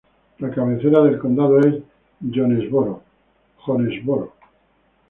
La cabecera del condado es Jonesboro.